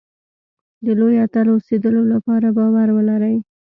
د لوی اتل اوسېدلو لپاره باور ولرئ.